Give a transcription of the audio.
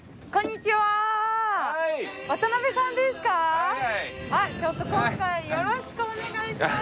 ちょっと今回よろしくお願いします！